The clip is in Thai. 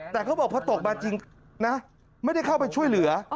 แต่เขาบอกพอตกมาจริงนะไม่ได้เข้าไปช่วยเหลือ